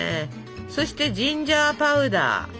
そしてジンジャーパウダー。